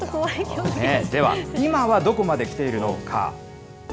では、今はどこまできているのか。